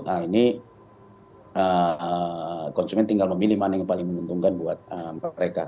nah ini konsumen tinggal memilih mana yang paling menguntungkan buat mereka